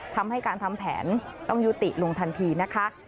ทำให้การทำแผนต้องยุติลงทันทีนะคะ